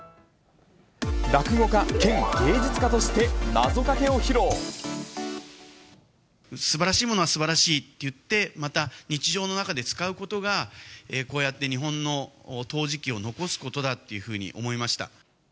落語家兼芸術家として、すばらしいものはすばらしいっていって、また、日常の中で使うことが、こうやって日本の陶磁器を残すことだっていうふうに思いました。